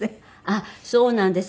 あっそうなんです。